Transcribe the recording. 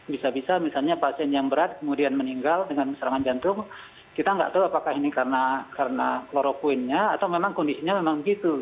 bisa bisa misalnya pasien yang berat kemudian meninggal dengan serangan jantung kita nggak tahu apakah ini karena kloroquine nya atau memang kondisinya memang begitu